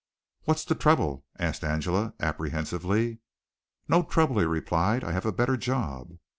"What's the trouble?" asked Angela apprehensively. "No trouble," he replied. "I have a better job."